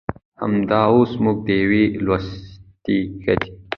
همدا اوس موږ د يوې لوستې ښځې